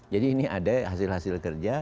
jadi ini ada hasil hasil kerja